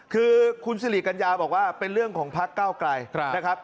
คือคุณสิริกัญญาบอกว่าเป็นเรื่องของพักเก้าไกลนะครับ